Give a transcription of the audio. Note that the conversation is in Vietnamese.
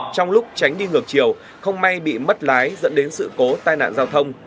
trong lúc tránh đi ngược chiều không may bị mất lái dẫn đến sự cố tai nạn giao thông